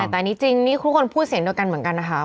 ใช่แต่นี่จริงทุกคนพูดเสียงโดยกันเหมือนกันนะคะ